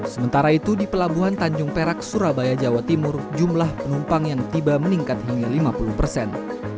sementara itu di pelabuhan tanjung perak surabaya jawa timur jumlah penumpang yang tiba meningkat hingga lima puluh persen